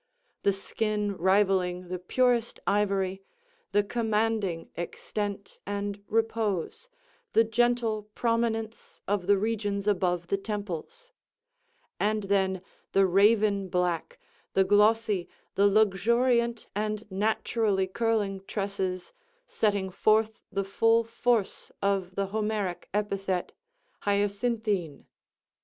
—the skin rivalling the purest ivory, the commanding extent and repose, the gentle prominence of the regions above the temples; and then the raven black, the glossy, the luxuriant and naturally curling tresses, setting forth the full force of the Homeric epithet, "hyacinthine!"